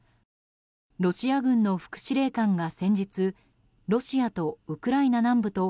ロシア軍の副司令官が先日ロシアとウクライナ南部と